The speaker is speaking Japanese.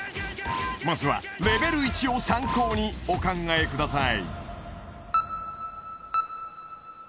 まずはレベル１を参考にお考えください